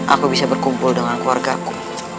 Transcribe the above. aku bisa berkumpul dengan keluarga ku